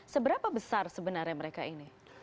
seberapa besar sebenarnya mereka ini